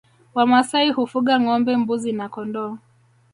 Wamasai hufuga ngombe mbuzi na kondoo